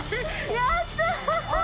やったあ！